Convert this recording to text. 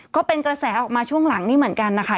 ก็เป็นกระแสออกมาช่วงหลังนี้เหมือนกันนะคะ